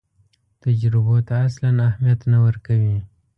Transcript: تجربو ته اصلاً اهمیت نه ورکوي.